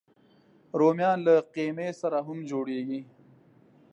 رومیان له قیمې سره هم جوړېږي